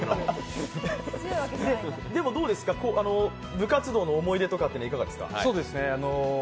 でも、部活動の思い出とかっていかがですか？